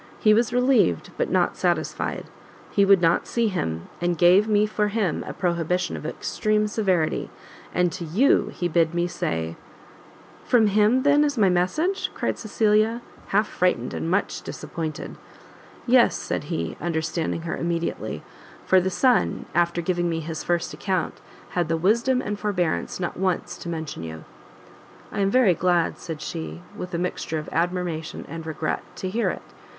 He was relieved, but not satisfied; he would not see him, and gave me for him a prohibition of extreme severity, and to you he bid me say " "From him, then, is my message?" cried Cecilia, half frightened, and much disappointed. "Yes," said he, understanding her immediately, "for the son, after giving me his first account, had the wisdom and forbearance not once to mention you." "I am very glad," said she, with a mixture of admiration and regret, "to hear it.